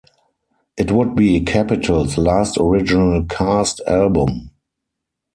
It would be Capitol's last original cast album.